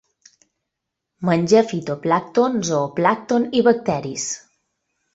Menja fitoplàncton, zooplàncton i bacteris.